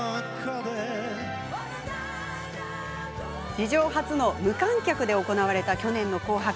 史上初の無観客で行われた昨年の「紅白」。